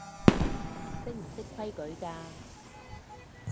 識唔識規矩㗎